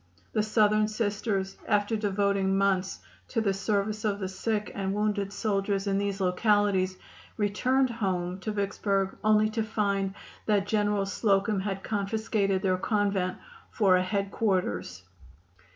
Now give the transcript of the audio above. The Southern Sisters, after devoting months to the service of the sick and wounded soldiers in these localities, returned home to Vicksburg only to find that General Slocum had confiscated their convent for a headquarters.